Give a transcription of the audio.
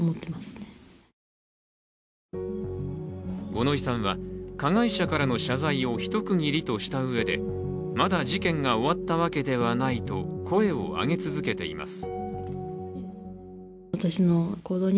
五ノ井さんは加害者からの謝罪を一区切りとしたうえでまだ事件が終わったわけではないと声を上げ続けています。